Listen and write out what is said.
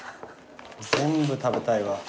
全部食べたいわ。